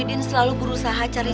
bener bener buruk ini